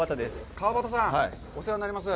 川畑さん、お世話になります。